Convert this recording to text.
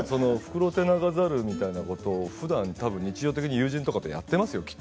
フクロテナガザルみたいなことをふだん日常的に友人とかとやっていますよ